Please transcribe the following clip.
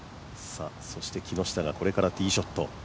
そして、木下がこれからティーショット。